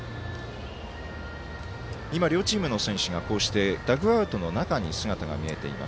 両チームの選手ダグアウトの中に姿が見えています。